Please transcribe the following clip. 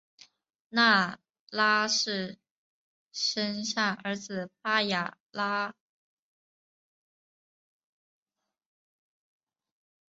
纳喇氏生下儿子巴雅喇。